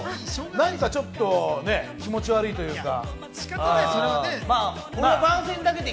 何がちょっとね、気持ち悪いというか。